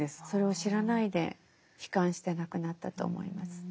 それを知らないで悲観して亡くなったと思います。